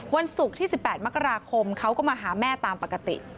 วันศุกร์ที่๑๘มกราคมเขาก็มาหาแม่ตามปกติ